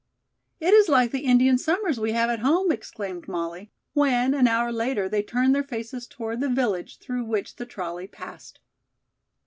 "It is like the Indian summers we have at home," exclaimed Molly, when, an hour later, they turned their faces toward the village through which the trolley passed.